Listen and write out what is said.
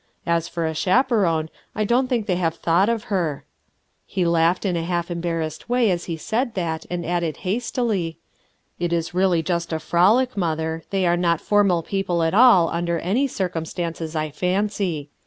As for a chaperon, I don't think they have thought of her," He laughed in a half embarrassed way as he said that, and added hastily: — "It is really just a frolic, mother; they are not formal people at all, under any circumstances, I fancy.